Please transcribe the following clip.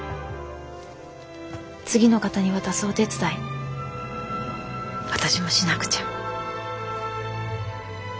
次の方に渡すお手伝い私もしなくちゃ。